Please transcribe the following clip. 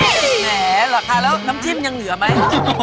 แหมเหรอคะแล้วน้ำจิ้มยังเหลือไหม